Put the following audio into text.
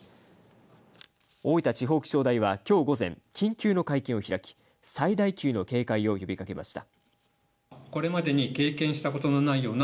大分地方気象台は今日午前緊急の会見を開き最大級の警戒を呼びかけました。